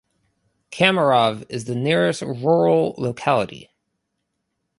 Komarov is the nearest rural locality.